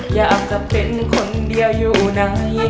อยากจะเป็นคนเดียวอยู่ไหน